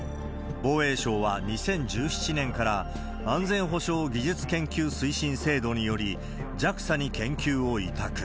防衛省は、２０１７年から安全保障技術研究推進制度により、ＪＡＸＡに研究を委託。